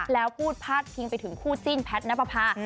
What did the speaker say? แล้วพูดพลาดทิ้งไปถึงคู่จิ้นแพทย์นักภาพา